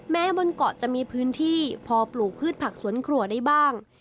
บนเกาะจะมีพื้นที่พอปลูกพืชผักสวนครัวได้บ้าง